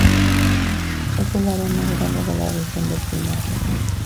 Es el área más grande de la región de Crimea.